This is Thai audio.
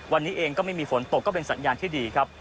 วันนี้เองก็ไม่มีฝนตกก็เป็นสัญญาณที่ดีครับ